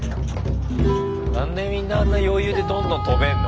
何でみんなあんな余裕でどんどん飛べんの？